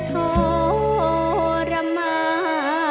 ทรมาน